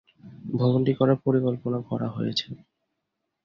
ভবনটি করার পরিকল্পনা করা হয়েছে।